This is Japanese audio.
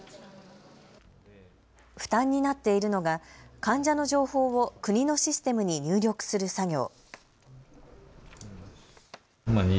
負担になっているのが患者の情報を国のシステムに入力する作業。